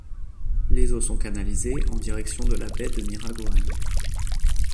Les eaux sont canalisées en direction de la baie de Miragoâne.